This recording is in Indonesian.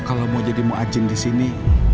kalau mau jadi muajin di sini